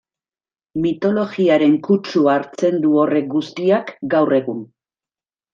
Mitologiaren kutsua hartzen du horrek guztiak gaur egun...